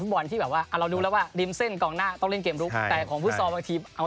แต่ของผู้ซอวกินบางทีเอาโต๊ะหลังไปเล่นได้